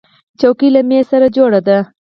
چوکۍ له مېز سره جوړه ده.